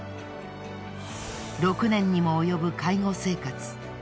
６年にもおよぶ介護生活。